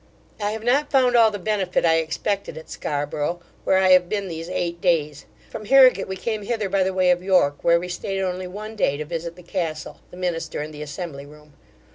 I have not found all the benefit I expected at Scarborough, where I have been these eight days From Harrigate we came hither by the way of York, where we stayed only one day to visit the Castle, the Minster and the Assembly room.